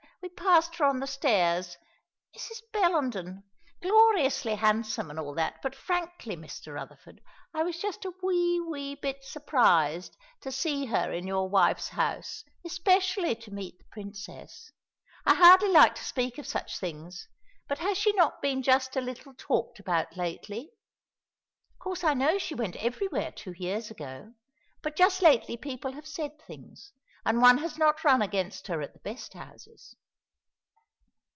We passed her on the stairs. Mrs. Bellenden. Gloriously handsome, and all that; but frankly, Mr. Rutherford, I was just a wee, wee bit surprised to see her in your wife's house, especially to meet the Princess. I hardly like to speak of such things; but has she not been just a little talked about lately? Of course, I know she went everywhere two years ago; but just lately people have said things; and one has not run against her at the best houses."